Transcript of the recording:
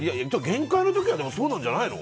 限界の時はそうなんじゃないの。